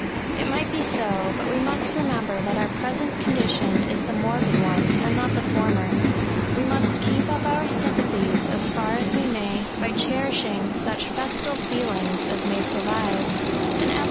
It might be so: but we must remember that our present condition is the morbid one, and not the former. We must keep up our sympathies, as far as we may, by cherish ing such festal feelings as may survive ; and ever i3 178 ESSAYS.